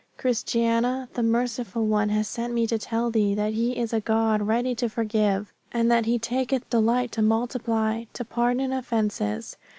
Christiana, the Merciful One has sent me to tell thee that He is a God ready to forgive, and that He taketh delight to multiply to pardon offences.